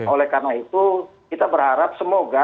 oleh karena itu kita berharap semoga